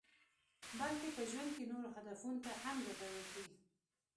بلکې په ژوند کې نورو هدفونو ته هم ګټور دي.